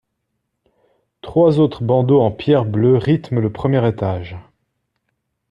Trois autres bandeaux en pierre bleue rythment le premier étage.